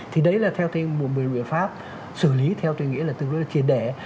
thì đấy là theo tên một biện pháp xử lý theo tôi nghĩ là tương đối là triệt đẻ